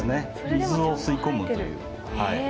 水を吸い込むという。